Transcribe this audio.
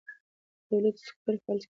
د تولید سکتور فلج کېږي.